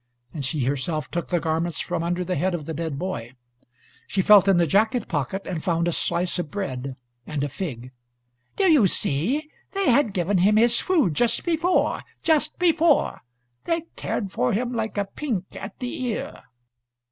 And she herself took the garments from under the head of the dead boy; she felt in the jacket pocket and found a slice of bread and a fig. "Do you see? They had given him his food just before, just before. They cared for him like a pink at the ear."